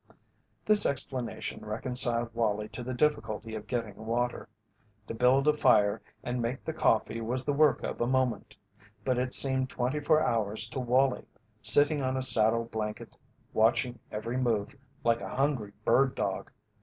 This explanation reconciled Wallie to the difficulty of getting water. To build a fire and make the coffee was the work of a moment, but it seemed twenty four hours to Wallie, sitting on a saddle blanket watching every move like a hungry bird dog.